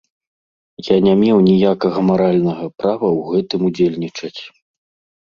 Я не меў ніякага маральнага права ў гэтым удзельнічаць.